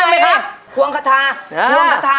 โอ้โหโยนก็ลงได้แน่นอน